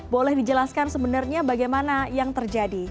boleh dijelaskan sebenarnya bagaimana yang terjadi